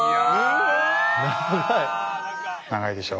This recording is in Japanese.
長いでしょ。